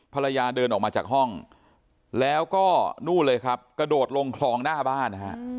ภรรยาเดินออกมาจากห้องแล้วก็นู่นเลยครับกระโดดลงคลองหน้าบ้านนะฮะ